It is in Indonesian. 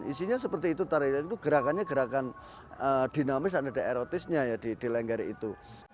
isinya seperti itu tarian itu gerakannya gerakan dinamis dan ada erotisnya ya di lengger itu